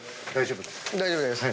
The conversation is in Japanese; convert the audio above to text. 大丈夫ですか？